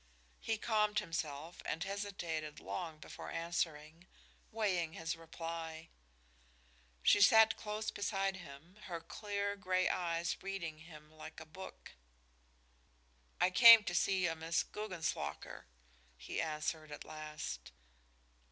He calmed himself and hesitated long before answering, weighing his reply. She sat close beside him, her clear gray eyes reading him like a book. "I came to see a Miss Guggenslocker," he answered at last.